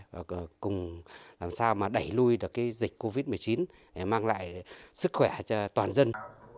và cùng làm sao mà đẩy lùi được dịch covid một mươi chín để mang lại sức khỏe cho toàn dân